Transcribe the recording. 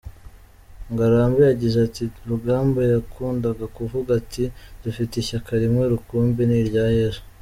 Ngarambe yagize ati “Rugamba yakundaga kuvuga ati ‘dufite ishyaka rimwe rukumbi ni irya Yezu’.